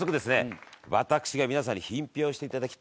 私が皆さんに品評していただきたい